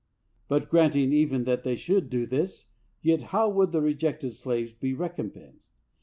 But granting even that they should do this, yet how would the rejected slaves be recompensed?